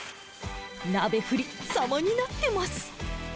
鍋振り、さまになってます。